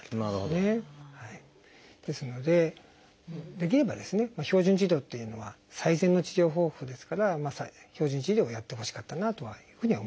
ですのでできればですね標準治療っていうのは最善の治療方法ですから標準治療をやってほしかったなというふうには思っています。